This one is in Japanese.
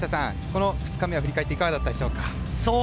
この２日目を振り返っていかがだったでしょうか？